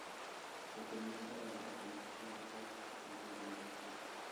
Pertenece a la colección Rock Millenium.